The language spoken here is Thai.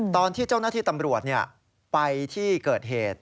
ตอนที่เจ้าหน้าที่ตำรวจไปที่เกิดเหตุ